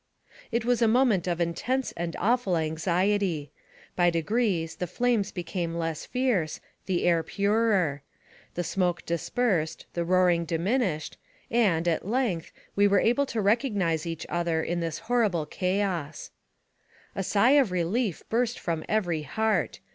It was a moment of intense and awful anxiety. By degrees the flames became less fierce, the air purer; the smoke dispersed, the roaring diminished, and, at length, we were able to recognize each other in this horrible chaos. 14 162 NAREATIVE OF CAPTIVITY A sigh of relief burst from every heart.